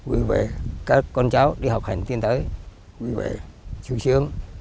vì vậy các con cháu đi học hành tiến tới vì vậy chú sướng